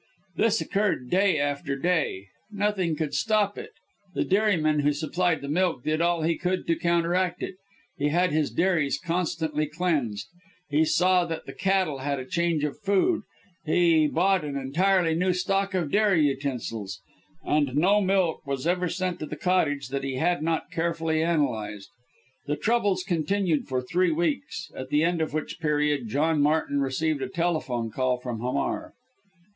This occurred day after day. Nothing would stop it. The dairyman who supplied the milk did all he could to counteract it. He had his dairies constantly cleansed, he saw that the cattle had a change of food, he bought an entirely new stock of dairy utensils, and no milk was ever sent to the Cottage that he had not had carefully analyzed. The troubles continued for three weeks, at the end of which period John Martin received a telephone call from Hamar.